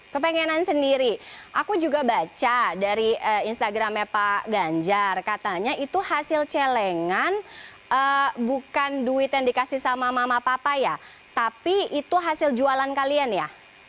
kepengenan sendiri aku juga baca dari instagramnya pak ganjar katanya itu hasil celengan bukan duit yang dikasih sama mama papa ya tapi itu hasil jualan kalian ya